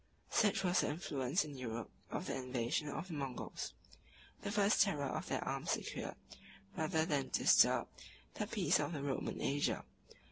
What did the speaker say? Such was the influence in Europe of the invasion of the Moguls. The first terror of their arms secured, rather than disturbed, the peace of the Roman Asia.